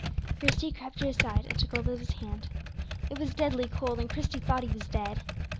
Christie crept to his side, and took hold of his hand. It was deadly cold, and Christie thought he was dead.